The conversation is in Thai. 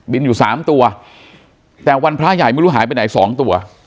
บินอยู่๓ตัวแต่วันพระใหญ่ไม่รู้หายไปไหน๒ตัว